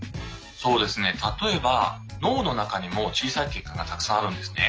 そうですね例えば脳の中にも小さい血管がたくさんあるんですね。